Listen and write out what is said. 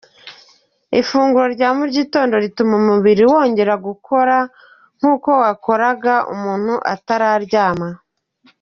Ifunguro rya mu gitondo rituma umubiri wongera gukora nk’uko wakoraga umuntu atararyama.